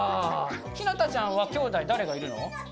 ひなたちゃんはきょうだい誰がいるの？